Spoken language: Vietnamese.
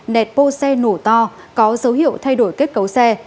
nẹt bô xe nổ to có dấu hiệu thay đổi kết cấu xe